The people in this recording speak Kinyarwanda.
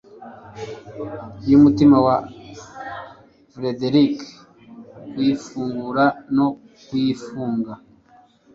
y'umutima wa Frederick kuyifungura no kuyifunga